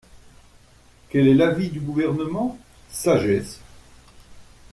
Quel est l’avis du Gouvernement ? Sagesse.